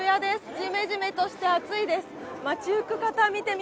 じめじめとして暑いです。